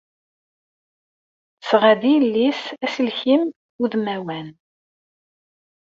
Tesɣa-d i yelli-s aselkim udmawan.